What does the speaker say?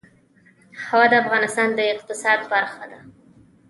هوا د افغانستان د اقتصاد برخه ده.